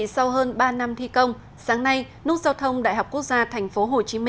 sau hơn ba năm thi công sáng nay nút giao thông đại học quốc gia tp hcm